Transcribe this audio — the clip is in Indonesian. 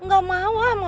gak mau ma